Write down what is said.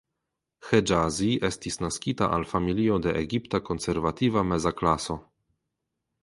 Ĥeĝazi estis naskita al familio de egipta konservativa meza klaso.